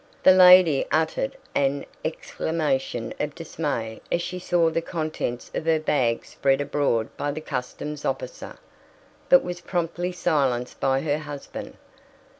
The lady uttered an exclamation of dismay as she saw the contents of her bag spread abroad by the customs officer, but was promptly silenced by her husband.